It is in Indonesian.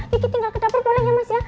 dikit tinggal ke dapur boleh ya mas ya